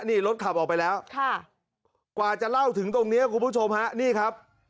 นี่รถขับออกไปแล้วค่ะกว่าจะเล่าถึงตรงนี้คุณผู้ชมฮะนี่ครับ